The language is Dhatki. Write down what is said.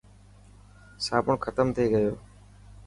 صابڻ ختم تي گيو.